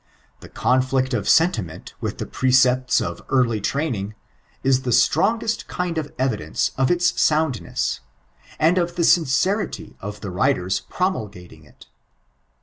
The conflict of sentiment with the prccepta of early training, is the strongest kind of evidence of its soundness, and of the sincerity of the writers pro mulgating it.